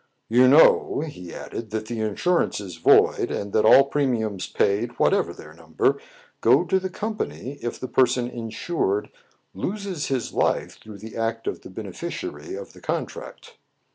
You know," he added, " that the insurance is void, and that all premiums paid, whatever their 'number, go to the company, if the person insured loses his life through the act of the beneficiary of the contract."